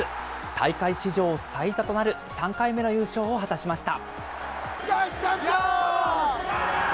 大会史上最多となる３回目の優勝を果たしました。